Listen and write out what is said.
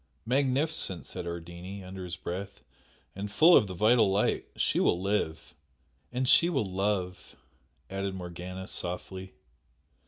"Magnificent!" said Ardini, under his breath "And full of the vital light, she will live!" "And she will love!" added Morgana, softly.